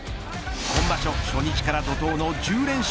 今場所初日から怒とうの１０連勝